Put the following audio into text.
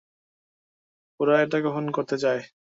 ওরা এটা কখন করতে চায়?